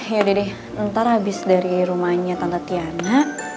yaudah deh ntar abis dari rumahnya tante tiana